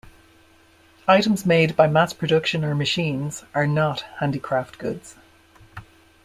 Items made by mass production or machines are not handicraft goods.